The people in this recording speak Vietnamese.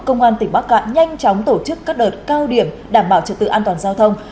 công an tỉnh bắc cạn nhanh chóng tổ chức các đợt cao điểm đảm bảo trật tự an toàn giao thông